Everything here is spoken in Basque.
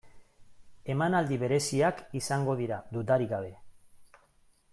Emanaldi bereziak izango dira, dudarik gabe.